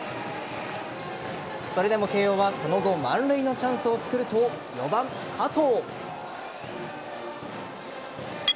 それでも慶応はその後満塁のチャンスをつくると４番・加藤。